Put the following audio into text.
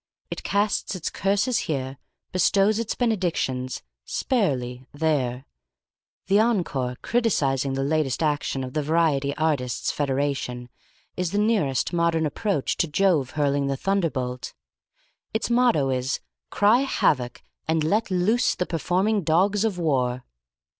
It casts its curses here, bestows its benedictions (sparely) there. The Encore criticising the latest action of the Variety Artists' Federation is the nearest modern approach to Jove hurling the thunderbolt. Its motto is, "Cry havoc, and let loose the performing dogs of war."